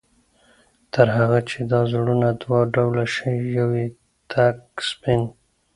تر هغه چي دا زړونه دوه ډوله شي، يو ئې تك سپين